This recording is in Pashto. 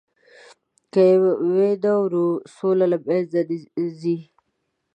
که یې ونه اورو، سوله له منځه ځي.